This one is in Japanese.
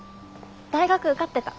大学受かってた。